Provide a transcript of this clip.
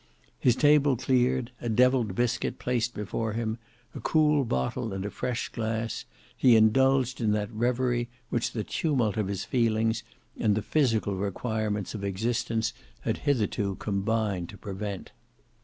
His table cleared; a devilled biscuit placed before him, a cool bottle and a fresh glass, he indulged in that reverie, which the tumult of his feelings and the physical requirements of existence had hitherto combined to prevent.